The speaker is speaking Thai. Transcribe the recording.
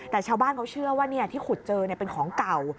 แต่ชาวบ้านเขาเชื่อว่าที่ขุดเจอเป็นของเก่า